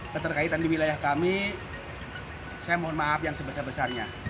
keterkaitan di wilayah kami saya mohon maaf yang sebesar besarnya